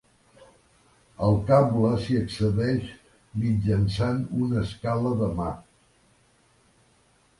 Al cable s'hi accedeix mitjançant una escala de mà.